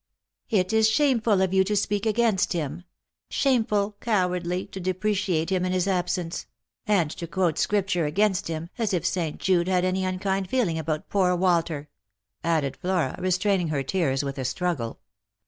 "" It is shameful of you to speak against him ; shameful, cowardly to depreciate him in his absence ; and to quote scrip ture against him, as if St. Jude had any unkind feeling about poor Walter," added Flora, restraining her tears with a struggle.